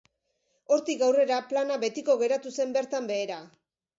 Hortik aurrera plana betiko geratu zen bertan behera.